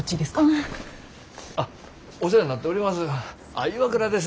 あっお世話になっております。